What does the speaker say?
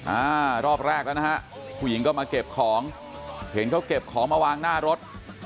อ่ารอบแรกแล้วนะฮะผู้หญิงก็มาเก็บของเห็นเขาเก็บของมาวางหน้ารถ